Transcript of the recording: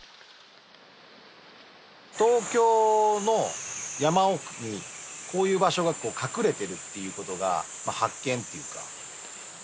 東京の山奥にこういう場所が隠れてるっていうことが発見っていうか。